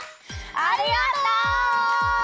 ありがとう！